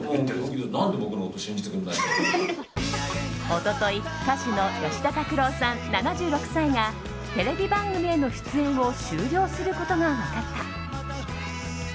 一昨日歌手の吉田拓郎さん、７６歳がテレビ番組への出演を終了することが分かった。